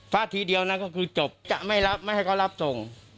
ทีเดียวนั้นก็คือจบจะไม่รับไม่ให้เขารับส่ง